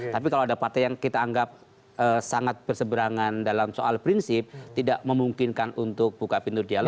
tapi kalau ada partai yang kita anggap sangat berseberangan dalam soal prinsip tidak memungkinkan untuk buka pintu dialog